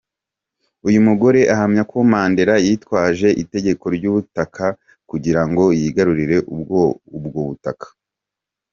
Uyu mugore ahamya ko Mandela yitwaje itegeko ry’ubutaka kugira ngo yigarurire ubwo butaka.